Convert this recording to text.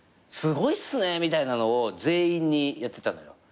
「すごいっすね」みたいなのを全員にやってたのよ。